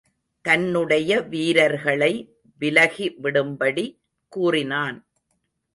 தன்னுடைய வீரர்களை விலகி விடும்படி கூறினான்.